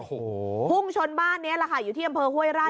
โอ้โหพุ่งชนบ้านนี้แหละค่ะอยู่ที่อำเภอห้วยไร่